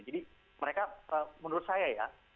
jadi mereka menurut saya ya